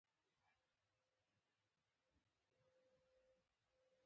خپلواکي د هر وګړي د سر تاج دی.